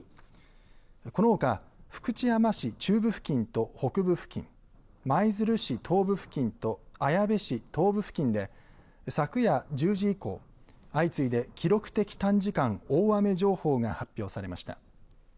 このほか、福知山市中部付近と北部付近舞鶴市東部付近と綾部市東部付近で昨夜１０時以降相次いで記録的短時間大雨情報が発表されました。